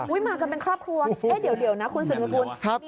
อุ๊ยมากันเป็นครอบครัวเดี๋ยวนะคุณสุขกับคุณ